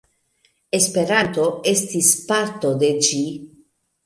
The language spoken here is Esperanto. Esperanto estis parto de ĝi.